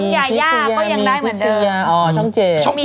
ยายาก็ยังได้เหมือนเดิมมีนพิชยามีนพิชยาอ๋อช่องเจ